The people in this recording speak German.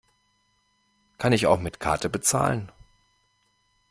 Kann ich auch mit Karte bezahlen?